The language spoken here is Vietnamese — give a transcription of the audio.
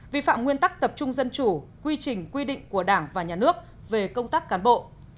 vi phạm nguyên tắc tập trung dân chủ quy trình quy định của đảng và nhà nước về công tác cán bộ